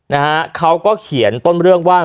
นะฮะเขาก็เขียนต้นเรื่องว่า